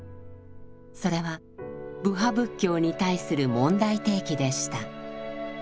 それは部派仏教に対する問題提起でした。